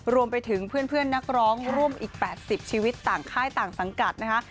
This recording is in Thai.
รวมไปถึงเพื่อนนักร้องร่วมอีก๘๐ชีวิตต่างค่ายต่างสังกัดนะคะ